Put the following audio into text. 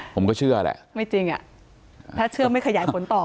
ผมก็เชื่อแหละไม่จริงอ่ะถ้าเชื่อไม่ขยายผลต่อ